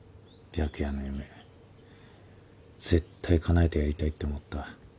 白夜の夢絶対かなえてやりたいって思った。